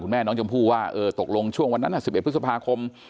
แม่น้องชมพู่ว่าเออตกลงช่วงวันนั้น๑๑พฤษภาคม